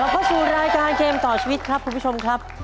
เข้าสู่รายการเกมต่อชีวิตครับคุณผู้ชมครับ